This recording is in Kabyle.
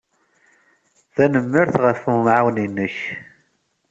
Tanemmirt ɣef wemɛawen-nnek.